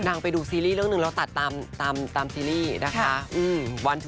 ไปดูซีรีส์เรื่องหนึ่งแล้วตัดตามซีรีส์นะคะ